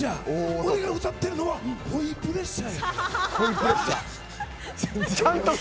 俺が歌ってるのはほいプレッシャーや。